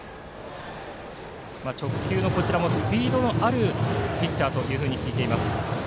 直球もスピードのあるピッチャーと聞いています。